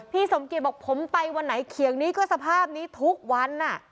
สมเกียจบอกผมไปวันไหนเขียงนี้ก็สภาพนี้ทุกวัน